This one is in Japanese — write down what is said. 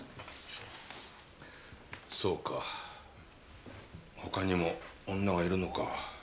そうか他にも女がいるのか。